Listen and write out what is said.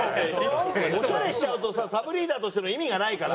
オシャレしちゃうとさサブリーダーとしての意味がないから。